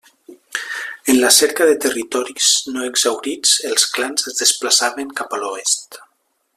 En la cerca de territoris no exhaurits, els clans es desplaçaven cap a l'oest.